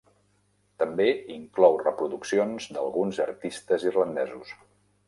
També inclou reproduccions d'alguns artistes irlandesos.